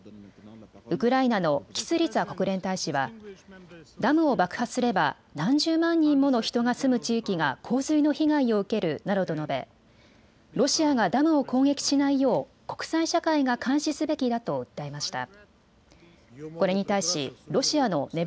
ウクライナのキスリツァ国連大使はダムを爆破すれば何十万人もの人が住む地域が洪水の被害を受けるなどと述べ、ロシアがダムを攻撃しないよう国際社会が監視すべきだと訴えました。